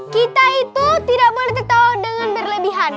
kita itu tidak boleh tahu dengan berlebihan